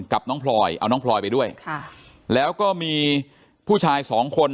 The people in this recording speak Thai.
กับน้องพลอยเอาน้องพลอยไปด้วยค่ะแล้วก็มีผู้ชายสองคน